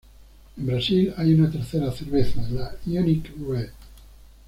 En Brasil, hay una tercera cerveza, la Unique Red.